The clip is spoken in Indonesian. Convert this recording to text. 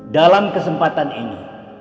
dalam kesempatan ini